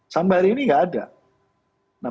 sampai hari ini nggak ada